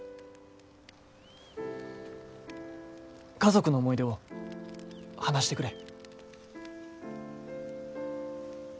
家族の思い出を話してくれ。